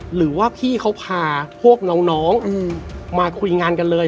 หรือว่าพี่เขาพาพวกน้องมาคุยงานกันเลย